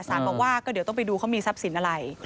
บอกว่าก็เดี๋ยวต้องไปดูเขามีทรัพย์สินอะไร